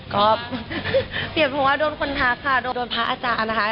ก็เปลี่ยนเพราะว่าโดนคนทักค่ะโดนพระอาจารย์นะคะ